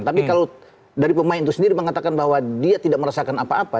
tapi kalau dari pemain itu sendiri mengatakan bahwa dia tidak merasakan apa apa